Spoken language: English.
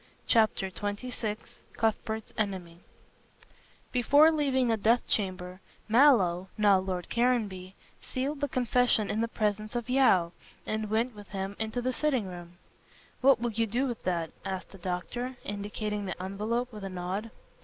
CHAPTER XXVI CUTHBERT'S ENEMY Before leaving the death chamber, Mallow now Lord Caranby sealed the confession in the presence of Yeo, and went with him into the sitting room. "What will you do with that?" asked the doctor, indicating the envelope with a nod.